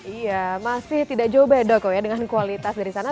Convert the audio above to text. iya masih tidak jauh beda kok ya dengan kualitas dari sana